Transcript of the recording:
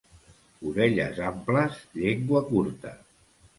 Orelles amples, llengua curta.